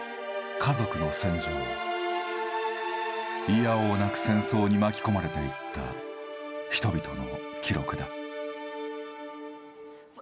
いやおうなく戦争に巻き込まれていった人々の記録だ。